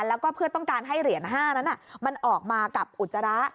แล้วก็เพื่อต้องการให้เหรียญ๕นั้นมันออกมากับอุจจาระ